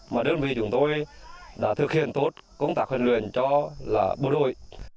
mà đơn vị chúng tôi đã thực hiện tốt công tác huấn luyện cho là bôi đôi